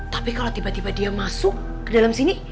tapi kalau tiba tiba dia masuk ke dalam sini